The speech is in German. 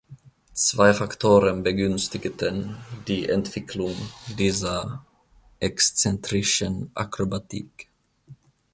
Zwei Faktoren begünstigten die Entwicklung dieser exzentrischen Akrobatik.